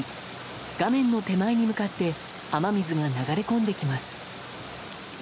画面の手前に向かって雨水が流れ込んできます。